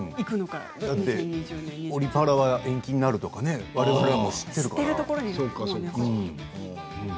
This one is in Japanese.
オリパラは延期になるとかわれわれは知っているから。